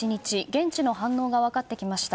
現地の反応が分かってきました。